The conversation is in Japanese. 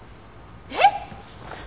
えっ！？